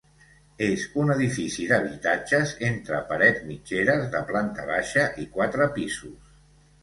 És un edifici d'habitatges entre parets mitgeres, de planta baixa i quatre pisos.